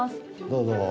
どうぞ。